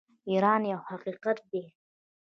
ایران یو حقیقت دی.